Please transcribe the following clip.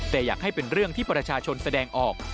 แต่อยากให้เป็นเรื่องที่ประชาชนแสดงออก